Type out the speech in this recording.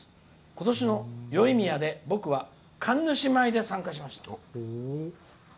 今年のよい宮で僕は神主舞で参加しました」。